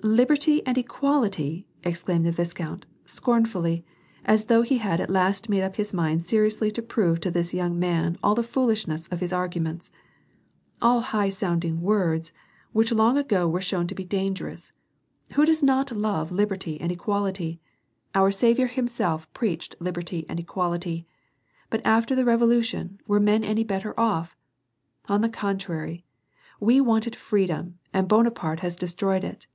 "Liberty and equality!'^ exclaimed the viscount, scorn fullyy as though he had at last made up his mind seriously to prove to this young man all the foolishness of his argu ments. "All high sounding words, which long ago were shown to be dangerous. Who does not love liberty and equality ? Onr Saviour himself preached liberty and equality. But after the Revolution were men any better off ? On the contrary. We wanted freedom, and Bonaparte has destroyed it."